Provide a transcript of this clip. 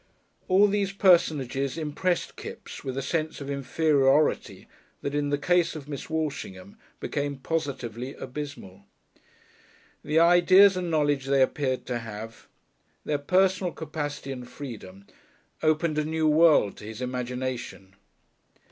All these personages impressed Kipps with a sense of inferiority that in the case of Miss Walshingham became positively abysmal. The ideas and knowledge they appeared to have, their personal capacity and freedom, opened a new world to his imagination.